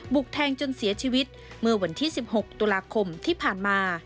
กแทงจนเสียชีวิตเมื่อวันที่๑๖ตุลาคมที่ผ่านมา